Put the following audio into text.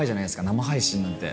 生配信なんて。